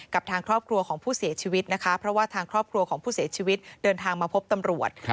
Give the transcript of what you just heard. กับทางครอบครัวของผู้เสียชีวิตนะคะเพราะว่าทางครอบครัวของผู้เสียชีวิตเดินทางมาพบตำรวจ